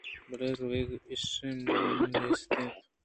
بلے روک اِش مان نیست اَت